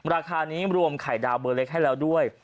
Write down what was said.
ราคานี้รวมไข่ดาวเบอร์เล็กให้แล้วด้วย